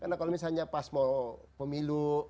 karena kalau misalnya pas mau memilu